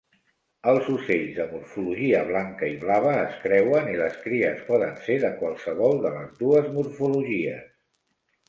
Els ocells de morfologia blanca i blava es creuen i les cries poden ser de qualsevol de les dues morfologies.